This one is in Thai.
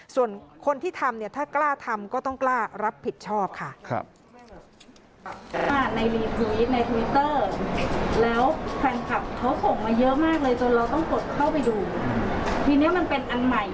ส่วนคนที่ทำเนี่ยถ้ากล้าทำก็ต้องกล้ารับผิดชอบค่ะ